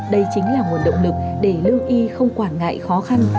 đây chính là nguồn động lực để lương y không quản ngại khó khăn